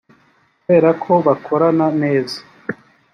kubera ko bakorana neza